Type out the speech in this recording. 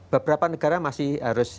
beberapa negara masih harus